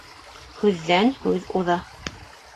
Һүҙҙән һүҙ уҙа